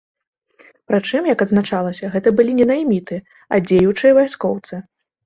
Прычым, як адзначалася, гэта былі не найміты, а дзеючыя вайскоўцы.